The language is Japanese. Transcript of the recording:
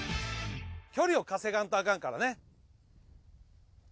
距離を稼がんとアカンからね。